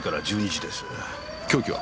凶器は？